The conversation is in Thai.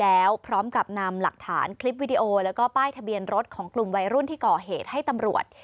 แล้วพร้อมกับนำหลักฐานคลิปวิดีโอแล้วก็ป้ายทะเบียนรถของกลุ่มวัยรุ่นที่ก่อเหตุให้ตำรวจ